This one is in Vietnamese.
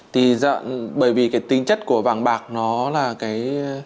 thì bởi vì cái tinh chất của vàng bạc nó là cái